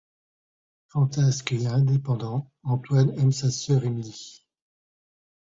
Fantasque et indépendant, Antoine aime sa sœur Émilie.